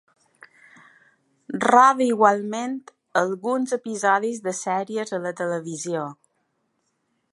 Roda igualment alguns episodis de sèries a la televisió.